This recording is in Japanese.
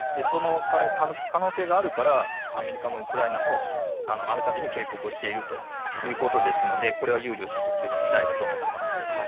その可能性があるから、アメリカもウクライナもあらかじめ警告をしているということですので、これは憂慮すべき事態だと思っています。